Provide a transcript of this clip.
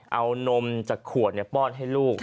เอานมจากขวดป้อนให้ลูก